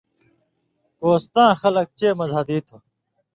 کوستاں خلک چے مذہبی تھو۔